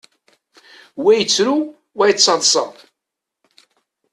Wa yettru, wa yettaḍṣa.